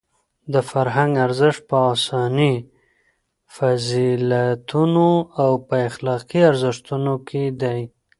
د فرهنګ ارزښت په انساني فضیلتونو او په اخلاقي ارزښتونو کې دی.